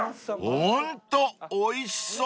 ［ホントおいしそう］